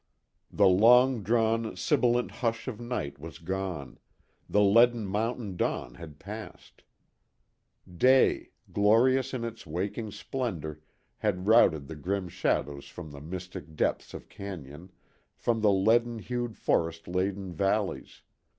The long drawn, sibilant hush of night was gone; the leaden mountain dawn had passed; day, glorious in its waking splendor, had routed the grim shadows from the mystic depths of cañon, from the leaden hued forest laden valleys.